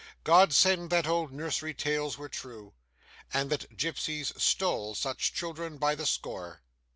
God send that old nursery tales were true, and that gypsies stole such children by the score!